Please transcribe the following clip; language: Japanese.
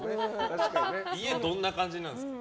家、どんな感じなんですか？